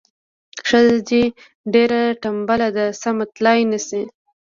ښځه دې ډیره تنبله ده سمه تلای نه شي.